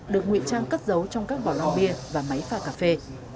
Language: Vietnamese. được nguyễn trang cất giấu trong các bỏ lòng bia và máy pha cà phê